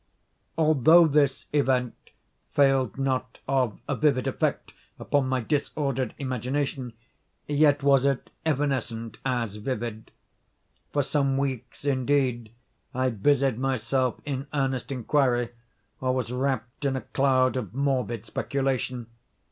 Although this event failed not of a vivid effect upon my disordered imagination, yet was it evanescent as vivid. For some weeks, indeed, I busied myself in earnest inquiry, or was wrapped in a cloud of morbid speculation.